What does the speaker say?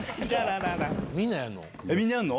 みんなやんの？